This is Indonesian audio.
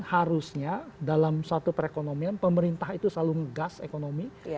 harusnya dalam suatu perekonomian pemerintah itu selalu ngegas ekonomi